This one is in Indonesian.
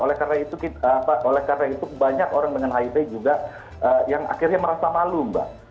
oleh karena itu banyak orang dengan hiv juga yang akhirnya merasa malu mbak